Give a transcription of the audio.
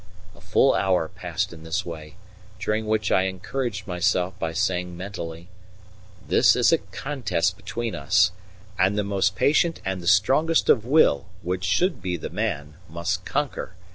A full hour passed in this way, during which I encouraged myself by saying mentally: "This is a contest between us, and the most patient and the strongest of will, which should be the man, must conquer.